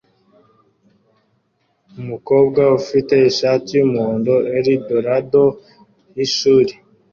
Umukobwa ufite ishati yumuhondo EL Dorado Yishuri